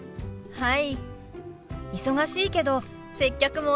はい。